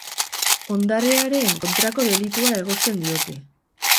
Ondarearen kontrako delitua egozten diote.